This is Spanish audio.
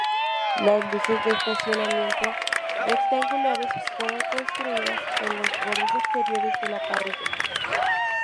Las luces de estacionamiento rectangulares fueron construidas en los bordes exteriores de la parrilla.